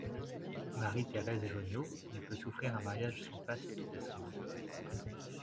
Marie Thérèse Joniaux ne peut souffrir un mariage sans faste et sans dot.